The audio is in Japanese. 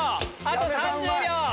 あと３０秒！